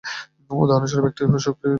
উদাহরণস্বরূপ একটি শুক্তি লওয়া যাক।